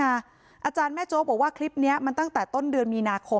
อาจารย์แม่โจ๊กบอกว่าคลิปนี้มันตั้งแต่ต้นเดือนมีนาคม